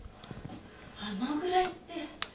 あのぐらいって。